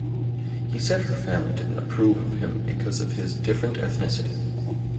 He said her family didn't approve of him because of his different ethnicity.